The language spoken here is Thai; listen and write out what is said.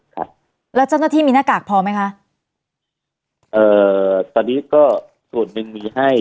ครับแล้วเจ้าหน้าที่มีหน้ากากพอไหมคะเอ่อตอนนี้ก็ส่วนหนึ่งมีให้